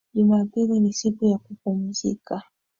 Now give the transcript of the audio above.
Jumapili ni siku ya kupumzika